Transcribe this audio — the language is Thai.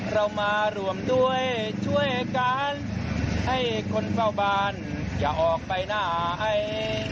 เรามารวมด้วยช่วยกันให้คนเฝ้าบ้านอย่าออกไปไหน